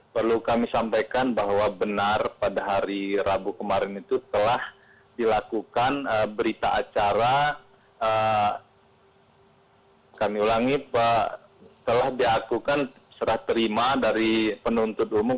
perlu kami sampaikan bahwa benar pada hari rabu kemarin itu telah dilakukan berita acara kami ulangi telah diakukan serah terima dari penuntut umum